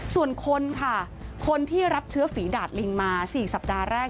ส่วนคนค่ะคนที่รับเชื้อฝีดาดลิงมา๔สัปดาห์แรก